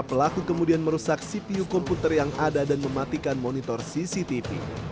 pelaku kemudian merusak cpu komputer yang ada dan mematikan monitor cctv